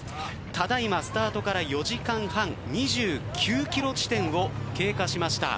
ただいまスタートから４時間半２９キロ地点を経過しました。